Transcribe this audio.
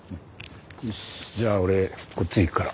よしじゃあ俺こっち行くから。